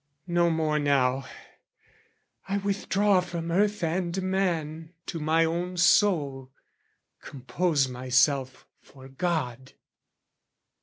No more now: I withdraw from earth and man To my own soul, compose myself for God.